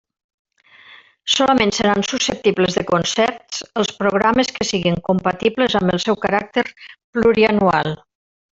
Solament seran susceptibles de concerts els programes que siguen compatibles amb el seu caràcter plurianual.